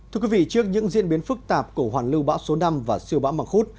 trước những diễn biến phức tạp của hoàn lưu bão số năm và siêu bão măng khuốt